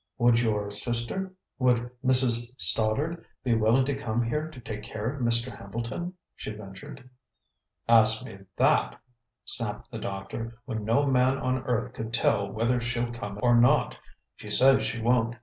"Would your sister would Mrs. Stoddard be willing to come here to take care of Mr. Hambleton?" she ventured. "Ask me that," snapped the doctor, "when no man on earth could tell whether she'll come or not. She says she won't.